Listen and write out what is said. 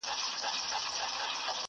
o هيڅوک نه وايي چي زما د غړکي خوند بد دئ!